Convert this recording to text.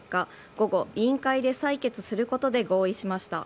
午後、委員会で採決することで合意しました。